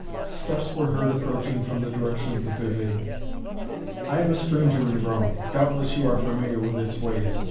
Steps were heard approaching from the direction of the pavilion. "I am a stranger in Rome. Doubtless you are familiar with its ways.